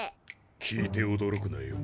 聞いておどろくなよ。